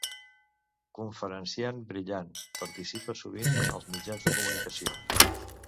Conferenciant brillant, participa sovint als mitjans de comunicació.